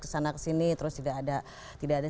kesana kesini terus tidak ada